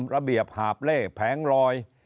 ระเบียบหาบเล่แผงลอย